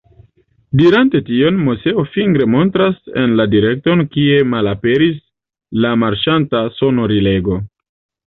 Dirante tion, Moseo fingre montras en la direkton, kie malaperis la marŝanta sonorilego.